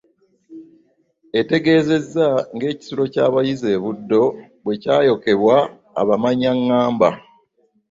Etegeezezza ng'ekisulo ky'abayizi e Buddo bwe kyayokebwa abamanyangamba.